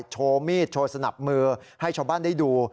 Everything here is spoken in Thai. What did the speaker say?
โชว์มีดโชว์สนับมือให้ชาวบ้านได้ดู